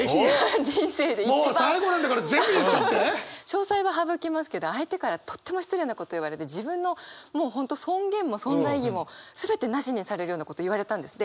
詳細は省きますけど相手からとっても失礼なこと言われて自分のもう本当尊厳も存在意義も全てなしにされるようなこと言われたんです。